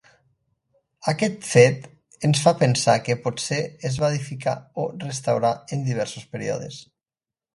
Aquest fet ens fa pensar que potser es va edificar o restaurat en diversos períodes.